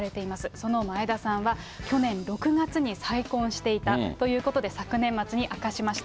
その前田さんは、去年６月に再婚していたということで、昨年末に明かしました。